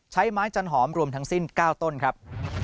ใช้ไม้จันหอมรวมทั้งสิ้น๙ต้นครับ